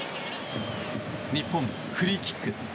日本、フリーキック。